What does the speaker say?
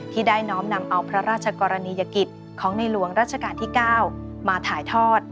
ที่ได้น้อมนำเอาพระราชกรณียกิจของในหลวงรัชกาลที่๙มาถ่ายทอด